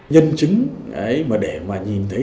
nhân chứng để mà nhìn thấy